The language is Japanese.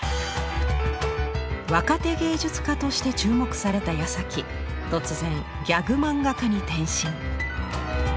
若手芸術家として注目された矢先突然ギャグマンガ家に転身。